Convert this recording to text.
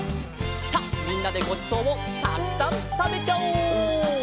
さあみんなでごちそうをたくさんたべちゃおう。